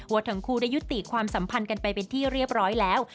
ว่าทั้งคู่ได้ยุติความสัมพันธ์กันไปเป็นที่เรียบร้อยแล้ว